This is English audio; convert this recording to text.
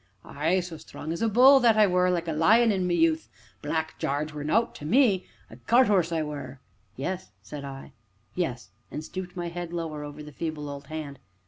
"Ay, so strong as a bull, that I were! like a lion in my youth Black Jarge were nought to me a cart 'orse I were." "Yes," said I, "yes," and stooped my head lower over the feeble old hand.